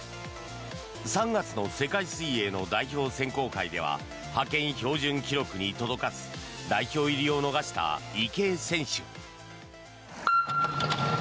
３月の世界水泳の代表選考会では派遣標準記録に届かず代表入りを逃した池江選手。